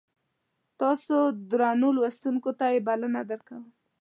تاسو درنو لوستونکو ته یې بلنه درکوم.